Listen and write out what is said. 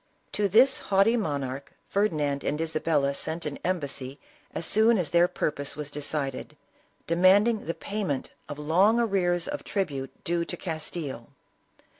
To this haughty monarch Ferdinand and Isabella sent an embassy as soon as their purpose was decided, demanding the payment of long arrears of tribute due to Castile.